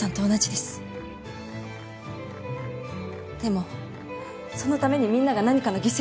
でもそのためにみんなが何かの犠牲になる。